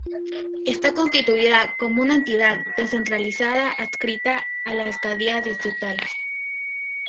Está constituida como una entidad descentralizada adscrita a la Alcaldía Distrital.